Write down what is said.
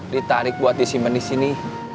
ditarik buat disimpen disini